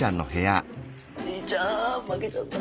おじいちゃん負けちゃった。